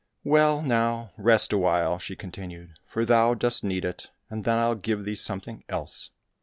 " Well, now, rest awhile," she continued, " for thou dost need it, and then I'll give thee something else."